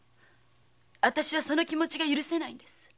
あたしはその気持ちが許せないんです。